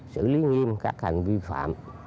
xử lý nghiêm các hành vi phạm